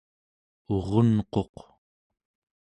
urunquq